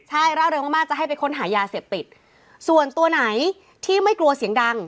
ใช่ร่าเริงมากมากจะให้ไปค้นหายาเสพติดส่วนตัวไหนที่ไม่กลัวเสียงดัง